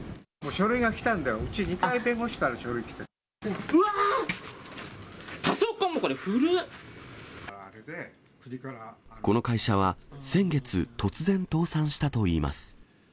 書類が来たんだよ、うちに２回、うわっ、パソコンもこれ、この会社は、先月、突然倒産したといいます。